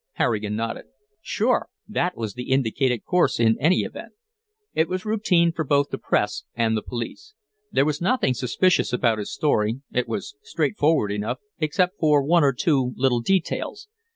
Harrigan nodded. "Sure. That was the indicated course, in any event. It was routine for both the press and the police. There was nothing suspicious about his story; it was straightforward enough, except for one or two little details.